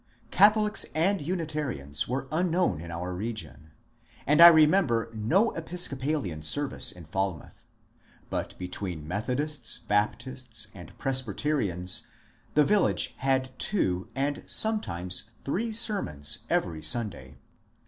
Catholics and Unitarians were unknown in our region, and I remember no Episcopalian service in Falmouth; but between Methodists, Baptists, and Presbyterians the village had two and sometimes three sermons every Sunday.